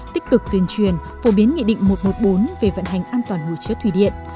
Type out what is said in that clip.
tích cực tuyên truyền phổ biến nghị định một trăm một mươi bốn về vận hành an toàn hồ chứa thủy điện